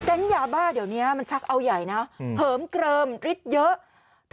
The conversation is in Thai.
ยาบ้าเดี๋ยวนี้มันชักเอาใหญ่นะเหิมเกลิมฤทธิ์เยอะ